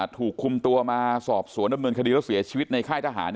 ถูกคุมตัวมาสอบสวนดำเนินคดีแล้วเสียชีวิตในค่ายทหาร